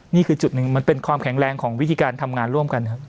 นี่คือจุดหนึ่งมันเป็นความแข็งแรงของวิธีการทำงานร่วมกันครับ